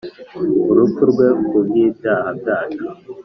urupfu rwe ku bw'ibyaha byacu.